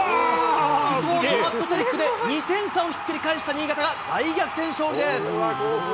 伊藤のハットトリックで２点差をひっくり返した新潟が大逆転勝利です。